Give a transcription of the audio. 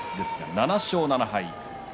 ７勝７敗。